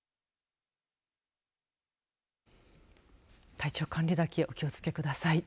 体調管理だけお気をつけください。